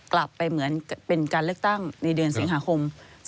กลับไปเหมือนเป็นการเลือกตั้งในเดือนสิงหาคม